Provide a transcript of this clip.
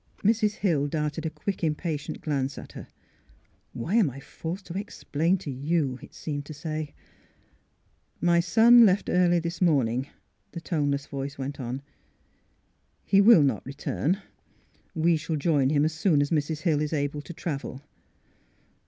Mrs. Hill, darted a quick, impatient glance at her. Why am I forced to explain to you? it seemed to say. " My son left this morning early," the tone less voice went on. " He will not return. We shall join him as soon as Mrs. Hill is able to travel."